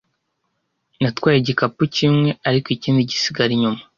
Natwaye igikapu kimwe, ariko ikindi gisigara inyuma.